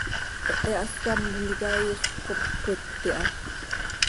Hehe hascám tintica iixöt cop cöquit iha.